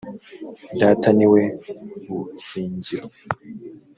data ni we buhingiro